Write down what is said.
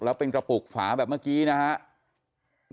แล้วเป็นกระปุกฝาแบบเมื่อกี้นะครับ